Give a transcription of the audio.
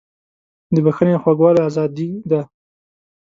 د بښنې خوږوالی ازادي ده.